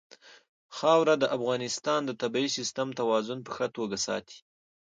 خاوره د افغانستان د طبعي سیسټم توازن په ښه توګه ساتي.